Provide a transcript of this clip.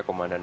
ini untuk apa